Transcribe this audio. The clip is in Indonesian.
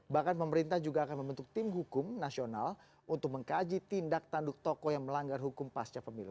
bahkan pemerintah juga akan membentuk tim hukum nasional untuk mengkaji tindak tanduk toko yang melanggar hukum pasca pemilu